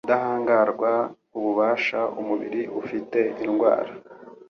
Ubudahangarwa Ububasha umubiri ufite indwara